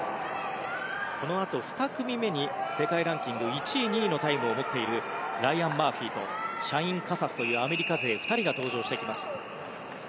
このあと２組目に世界ランキング１位２位のタイムを持っているライアン・マーフィーとシャイン・カサスというアメリカ勢２人が登場してきます。